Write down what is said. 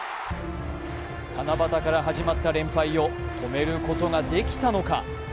七夕から始まった連敗を止めることができたのか。